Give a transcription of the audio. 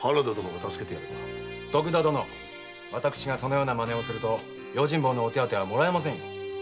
徳田殿私がそんなまねをすると用心棒の手当てはもらえません。